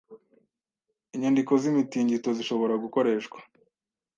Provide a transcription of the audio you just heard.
Inyandiko z’imitingito zishobora gukoreshwa